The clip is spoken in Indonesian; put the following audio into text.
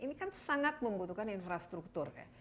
ini kan sangat membutuhkan infrastruktur ya